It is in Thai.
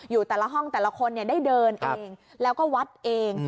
แต่ละห้องแต่ละคนได้เดินเองแล้วก็วัดเอง